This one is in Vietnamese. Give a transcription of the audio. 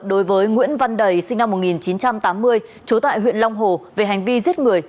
đối với nguyễn văn đầy sinh năm một nghìn chín trăm tám mươi trú tại huyện long hồ về hành vi giết người